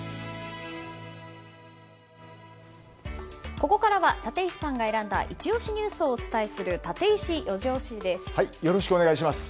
ここからは立石さんが選んだイチ推しニュースをお伝えするよろしくお願いします。